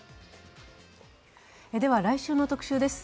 来週の特集です。